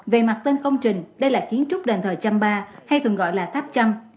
về mặt tên công trình đây là kiến trúc đền thờ champa hay thường gọi là tháp châm